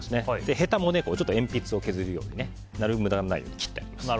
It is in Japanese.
ヘタも鉛筆を削るようになるべく無駄がないように切ってあります。